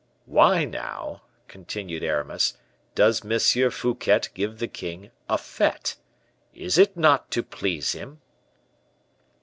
"Why, now," continued Aramis, "does M. Fouquet give the king a fete? Is it not to please him?"